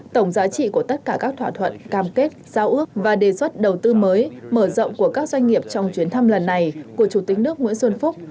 tổng giá trị của tất cả các thỏa thuận cam kết giao ước và đề xuất đầu tư mới mở rộng của các doanh nghiệp trong chuyến thăm lần này của chủ tịch nước nguyễn xuân phúc